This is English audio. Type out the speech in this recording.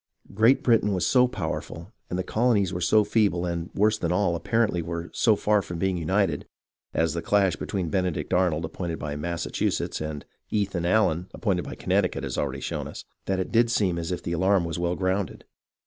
Great Britain was so powerful, and the colonies were so feeble and, worse than all, apparently were so far from being united, — as the clash between THE FALL OF FORT TICONDEROGA ^7 Benedict Arnold, appointed by Massachusetts, and Ethan Arnold, appointed by Connecticut, has already shown us, — that it did seem as if the alarm was well grounded.